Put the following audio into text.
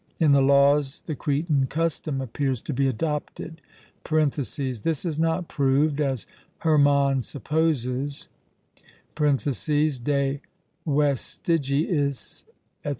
In the Laws the Cretan custom appears to be adopted (This is not proved, as Hermann supposes ('De Vestigiis,' etc.))